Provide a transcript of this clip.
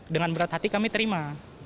dengan berat hati kami terima